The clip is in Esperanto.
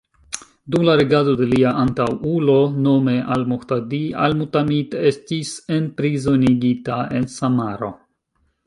Dum la regado de lia antaŭulo, nome al-Muhtadi, al-Mu'tamid estis enprizonigita en Samaro.